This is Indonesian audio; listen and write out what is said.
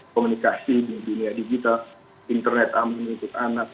komunikasi di dunia digital internet amuni untuk anak